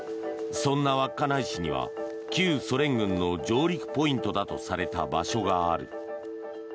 そんな稚内市には旧ソ連軍の上陸ポイントだとされた場所がある。